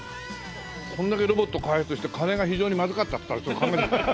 こんだけロボット開発してカレーが非常にまずかったっていったらちょっと考えないと。